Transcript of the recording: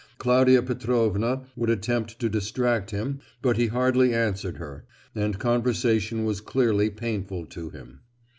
Claudia Petrovna would attempt to distract him but he hardly answered her, and conversation was clearly painful to him.